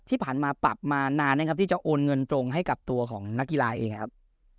ที่ผ่านมาปรับมานานนะครับที่จะโอนเงินตรงให้กับตัวของนักกีฬาเองครับ